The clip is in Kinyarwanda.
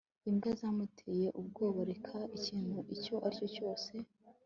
imbwa zamuteye ubwoba.reka ikintu icyo ari cyo cyose